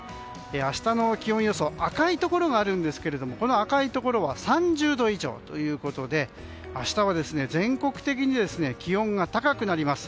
明日の気温予想赤いところがあるんですけどもこの赤いところは３０度以上ということで明日は全国的に気温が高くなります。